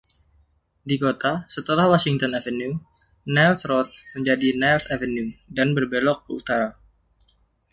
Di kota, setelah Washington Avenue, Niles Road menjadi Niles Avenue dan berbelok ke utara.